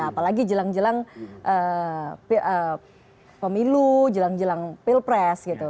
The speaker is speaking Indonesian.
apalagi jelang jelang pemilu jelang jelang pilpres gitu